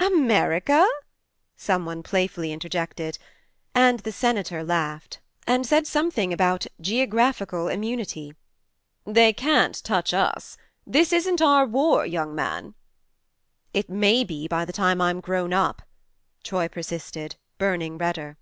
"America?" some one playfully interjected ; and the Senator laughed, 42 THE MARNE and said something about geographical immunity. " They can't touch us. This isn't our war, young man." " It may be by the time I'm grown up," Troy persisted, burning redder.